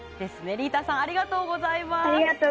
りーたんさんありがとうございます。